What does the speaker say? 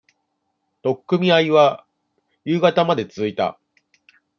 取っ組み合いは、夕方まで続いた。